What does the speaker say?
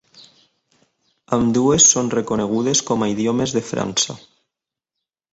Ambdues són reconegudes com a idiomes de França.